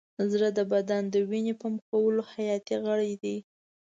زړه د بدن د وینې پمپ کولو حیاتي غړی دی.